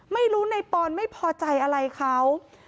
ไม่รู้ในปอนไม่พอใจอะไรเขา